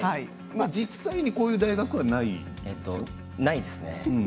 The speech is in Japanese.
実際にこういう大学はないでしょう？